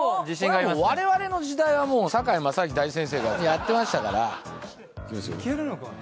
我々の時代はもう堺正章大先生がやってましたからいけるのかな